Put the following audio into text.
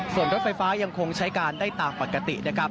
ส่วนรถไฟฟ้ายังคงใช้การได้ตามปกตินะครับ